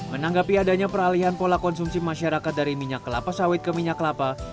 menanggapi adanya peralihan pola konsumsi masyarakat dari minyak kelapa sawit ke minyak kelapa